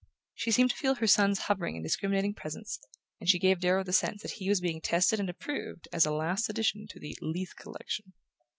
She seemed to feel her son's hovering and discriminating presence, and she gave Darrow the sense that he was being tested and approved as a last addition to the Leath Collection.